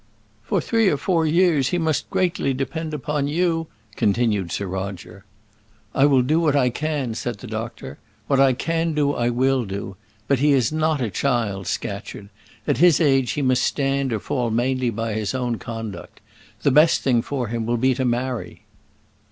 "For three or four years he must greatly depend upon you," continued Sir Roger. "I will do what I can," said the doctor. "What I can do I will do. But he is not a child, Scatcherd: at his age he must stand or fall mainly by his own conduct. The best thing for him will be to marry."